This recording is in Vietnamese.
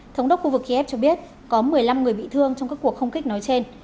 thống đốc khu vực kiev cho biết có một mươi năm người bị thương trong các cuộc không kích nói trên